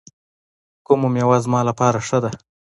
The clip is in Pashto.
کومه میوه زما لپاره ښه ده؟